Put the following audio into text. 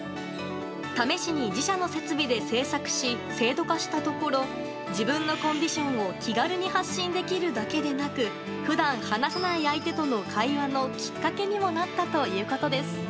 試しに自社の設備で制作し制度化したところ自分のコンディションを気軽に発信できるだけでなく普段話さない相手との会話のきっかけにもなったということです。